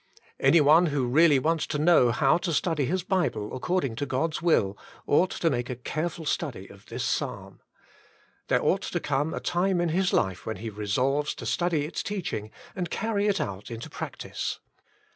Anyone who really wants to know how to study his Bible according to God^s will, ought to make a careful study of this Psalm. There ought to come a time in his life when he resolves to study its teaching and carry it out into practice.